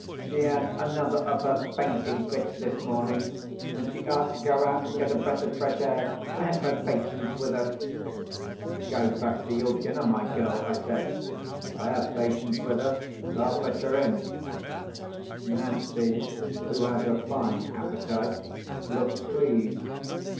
"She had another of her fainting fits this morning, and she asked to go out and get a breath of fresh air. I have no patience with her!" "Go back to your dinner, my girl," I said. "I have patience with her, and I'll fetch her in." Nancy (who has a fine appetite) looked pleased.